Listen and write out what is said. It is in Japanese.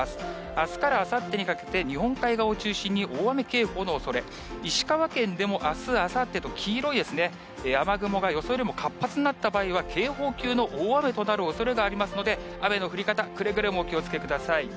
あすからあさってにかけて、日本海側を中心に大雨警報のおそれ、石川県でもあす、あさってと黄色いですね、雨雲が予想よりも活発になった場合は、警報級の大雨となるおそれがありますので、雨の降り方、くれぐれもお気をつけください。